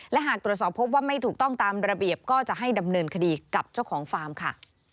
และหากตรวจสอบพบว่าไม่ถูกต้องตามระเบียบก็จะให้ดำเนินคดีกับเจ้าของฟาร์มค่ะ